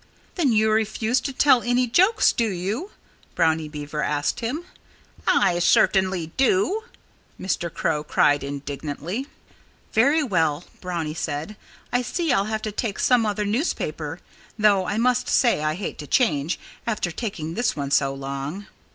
"Then you refuse to tell any jokes, do you?" Brownie Beaver asked him. "I certainly do!" Mr. Crow cried indignantly. "Very well!" Brownie said. "I see I'll have to take some other newspaper, though I must say I hate to change after taking this one so long."